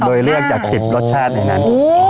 โดยเลือกจาก๑๐รสชาติในนั้น